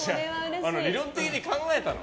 理論的に考えたの。